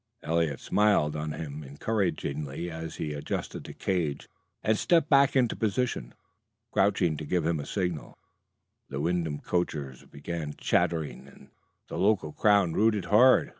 Eliot smiled on him encouragingly as he adjusted the cage and stepped back into position, crouching to give a signal. The Wyndham coachers began chattering, and the local crowd "rooted" hard.